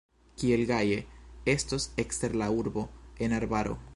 Kiel gaje estos ekster la urbo, en arbaro!